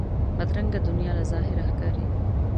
بدرنګه دنیا له ظاهره ښکاري